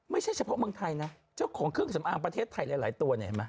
ไม่ใช่เฉพาะเมืองไทยนะเจ้าของเครื่องสำอางประเทศไทยหลายตัวเนี่ยเห็นไหม